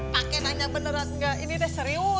pake nanya beneran gak ini teh serius